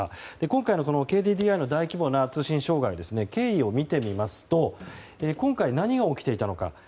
今回のＫＤＤＩの大規模な通信障害の経緯を見てみますと今回、何が起きていたのか。